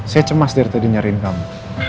saya cemas dari tadi nyariin kamu